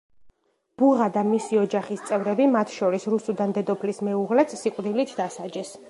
ბუღა და მისი ოჯახის წევრები, მათ შორის რუსუდან დედოფლის მეუღლეც, სიკვდილით დასაჯეს.